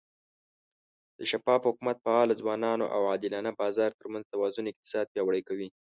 د شفاف حکومت، فعاله ځوانانو، او عادلانه بازار ترمنځ توازن اقتصاد پیاوړی کوي.